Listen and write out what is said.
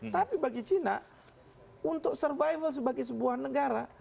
tapi bagi cina untuk survival sebagai sebuah negara